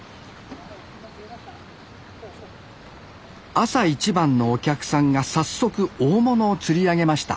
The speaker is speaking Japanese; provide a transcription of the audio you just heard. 朝一番のお客さんが早速大物を釣り上げました